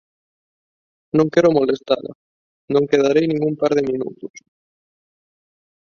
Non quero molestala… Non quedarei nin un par de minutos.